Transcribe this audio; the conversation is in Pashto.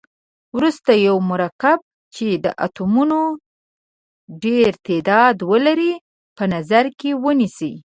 وروسته یو مرکب چې د اتومونو ډیر تعداد ولري په نظر کې ونیسئ.